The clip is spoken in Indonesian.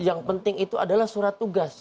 yang penting itu adalah surat tugas